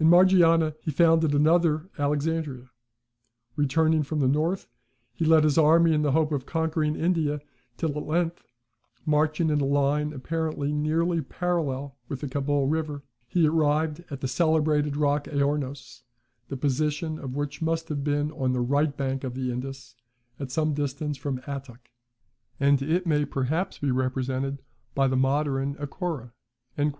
In Margiana he founded another Alexandria. Returning from the north, he led on his army in the hope of conquering India, till at length, marching in a line apparently nearly parallel with the Kabul river, he arrived at the celebrated rock Aornos, the position of which must have been on the right bank of the Indus, at some distance from Attock; and it may perhaps be represented by the modern Akora" (VAUX.)